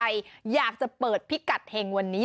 ใครอยากจะเปิดพิกัดเฮงวันนี้